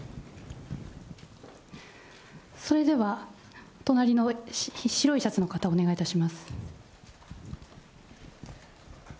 それでは隣の白いシャツの方、お願いいたします。